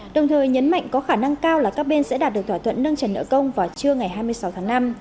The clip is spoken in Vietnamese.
đồng thời nhấn mạnh có khả năng cao là các bên sẽ đạt được thỏa thuận nâng trần nợ công vào trưa ngày hai mươi sáu tháng năm